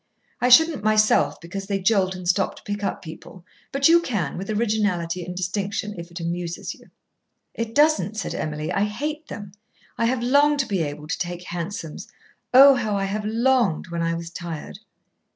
I shouldn't myself, because they jolt and stop to pick up people, but you can, with originality and distinction, if it amuses you." "It doesn't," said Emily. "I hate them. I have longed to be able to take hansoms. Oh! how I have longed when I was tired."